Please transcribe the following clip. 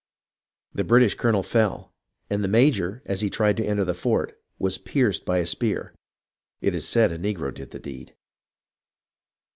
The British colonel fell, and the major, as he tried to enter the fort, was pierced by a spear (it is said a negro did the deed).